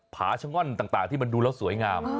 ผาชะง่อนต่างที่มันดูแล้วสวยงาม